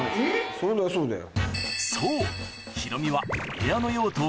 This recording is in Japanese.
それはそうだよ。